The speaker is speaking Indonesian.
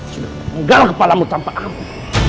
kau akan menggalak kepalamu tanpa aku